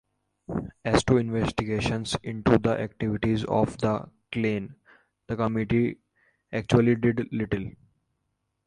As to investigations into the activities of the "Klan", the Committee actually did little.